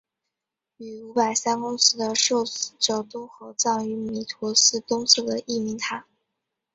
与五百三公祠的受祀者都合葬于弥陀寺东侧的义民塔。